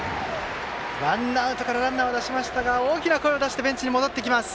ワンアウトからランナーを出しましたが大きな声を出してベンチに戻ってきます。